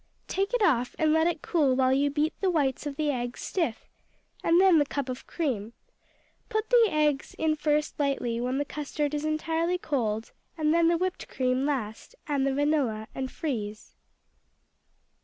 Take it off and let it cool while you beat the whites of the eggs stiff, and then the cup of cream. Put the eggs in first lightly when the custard is entirely cold, and then the whipped cream last, and the vanilla, and freeze.